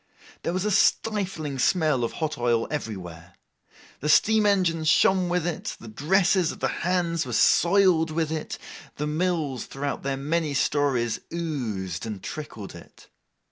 There was a stifling smell of hot oil everywhere. The steam engines shone with it, the dresses of the Hands were soiled with it, the mills throughout their many stories oozed and trickled it.